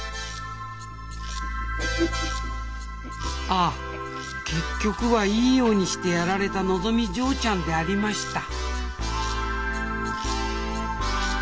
ああ結局はいいようにしてやられたのぞみ嬢ちゃんでありました